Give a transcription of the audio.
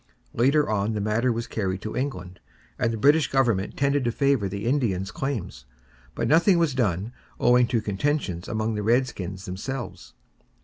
Later on the matter was carried to England, and the British government tended to favour the Indians' claims. But nothing was done, owing to contentions among the redskins themselves.